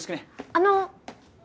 あの。